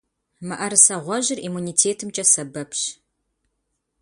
Мыӏэрысэ гъуэжьыр иммунитетымкӀэ сэбэпщ.